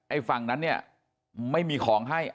ฝั่งนั้นเนี่ยไม่มีของให้